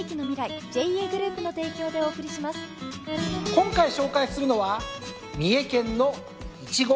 今回紹介するのは三重県の。